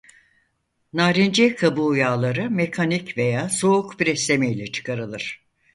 Narenciye kabuğu yağları mekanik veya "soğuk preslemeyle" çıkarılır.